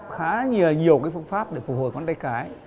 có nhiều cái phương pháp để phục hồi ngón tay cái